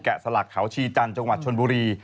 สลักเขาชีจันทร์จังหวัดชนบุรี